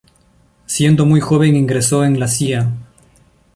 Siendo muy joven ingresó en la Cía.